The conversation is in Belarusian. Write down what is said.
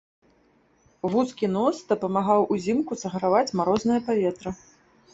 Вузкі нос дапамагаў узімку саграваць марознае паветра.